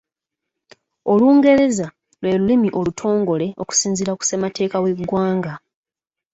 Olungereza lwe lulimi olutongole okusinziira ku ssemateeka w'eggwanga.